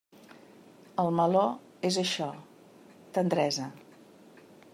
El meló és això: tendresa.